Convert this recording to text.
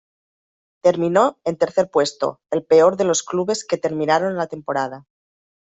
Terminó en tercer puesto, el peor de los clubes que terminaron la temporada.